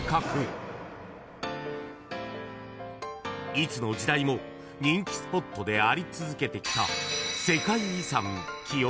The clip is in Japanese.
［いつの時代も人気スポットであり続けてきた］